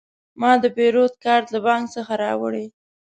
ما د پیرود کارت له بانک څخه راوړی.